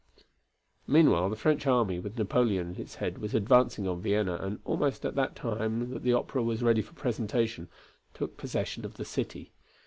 Meanwhile, the French army, with Napoleon at its head, was advancing on Vienna and almost at the time that the opera was ready for presentation, took possession of the city.